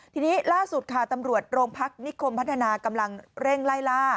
ทีนี้ล่าสุดค่ะตำรวจโรงพักนิคมพัฒนากำลังเร่งไล่ล่า